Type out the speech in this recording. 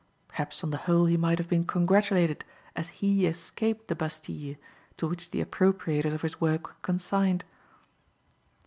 Perhaps on the whole he might have been congratulated, as he escaped the Bastille, to which the appropriators of his work were consigned.